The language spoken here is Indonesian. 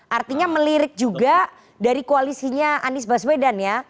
artinya melirik juga dari koalisinya anies baswedan ya